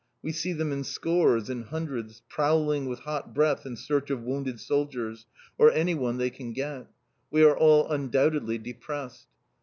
We see them in scores, in hundreds, prowling with hot breath in search of wounded soldiers, or anyone they can get. We are all undoubtedly depressed.